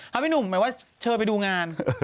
เอาพี่หนุ่มหมายว่าเชิญไปดูงาน